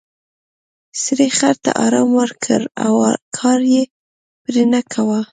سړي خر ته ارام ورکړ او کار یې پرې نه کاوه.